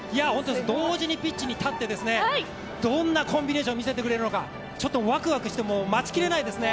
同時にピッチに立って、どんなコンビネーションを見せてくれるのかちょっとワクワクして、もう待ちきれないですね。